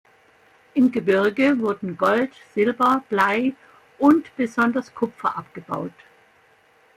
Im Gebirge wurden Gold, Silber, Blei und besonders Kupfer abgebaut.